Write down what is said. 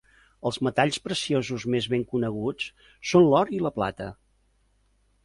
Els metalls preciosos més ben coneguts són l'or i la plata.